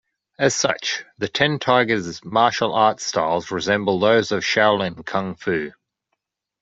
As such, the Ten Tigers' martial arts styles resemble those of Shaolin Kung Fu.